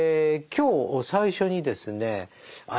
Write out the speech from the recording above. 今日最初にですねあ